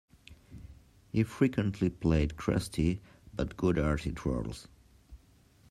He frequently played crusty but good-hearted roles.